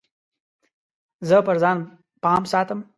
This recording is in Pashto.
زه پر ځان پام ساتم.